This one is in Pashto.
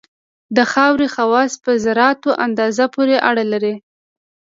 د خاورې خواص په ذراتو اندازه پورې اړه لري